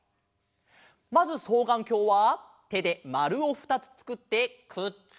まずそうがんきょうはてでまるをふたつつくってくっつけます。